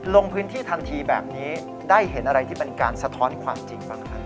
ลงพื้นที่ทันทีแบบนี้ได้เห็นอะไรที่เป็นการสะท้อนความจริงบ้างครับ